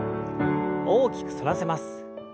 大きく反らせます。